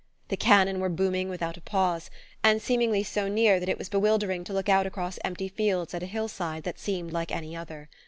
The cannon were booming without a pause, and seemingly so near that it was bewildering to look out across empty fields at a hillside that seemed like any other.